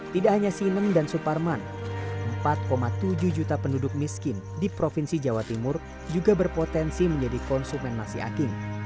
tidak hanya sinem dan suparman empat tujuh juta penduduk miskin di provinsi jawa timur juga berpotensi menjadi konsumen nasi aking